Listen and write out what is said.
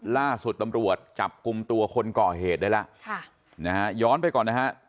ล่าสุดตำรวจจับกลุ่มตัวคนก่อเหตุได้แล้วค่ะนะฮะย้อนไปก่อนนะฮะ